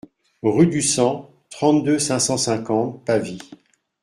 Rue du Sang, trente-deux, cinq cent cinquante Pavie